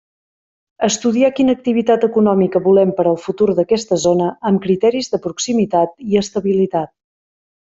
Estudiar quina activitat econòmica volem per al futur d'aquesta zona amb criteris de proximitat i estabilitat.